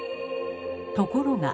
ところが。